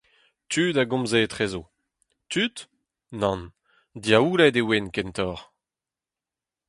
Tud a gomze etrezo. Tud ? Nann, diaouled e oant, kentoc’h.